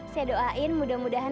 saya doain mudah mudahan